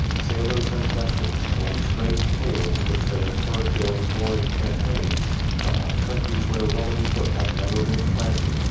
Sailors and veterans told strange tales which they had heard during foreign campaigns about countries where Roman foot had never been planted.